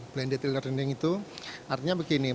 blended el learning itu artinya begini